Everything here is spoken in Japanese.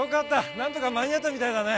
何とか間に合ったみたいだね。